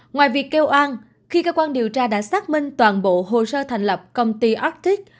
ngoài việc kêu an khi cơ quan điều tra đã xác minh toàn bộ hồ sơ thành lập công ty artix